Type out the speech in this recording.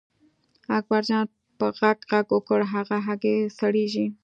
اکبرجان په غږ غږ وکړ هغه هګۍ سړېږي.